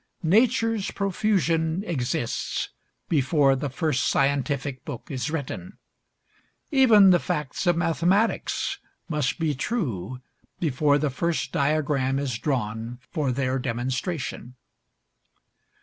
Nature's profusion exists before the first scientific book is written. Even the facts of mathematics must be true before the first diagram is drawn for their demonstration.